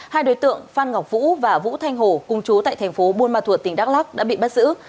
hai đối tượng phan ngọc vũ và vũ thanh hổ cung chúa tại thành phố buôn ma thuột tỉnh đắk lắk đã bị bắt giữ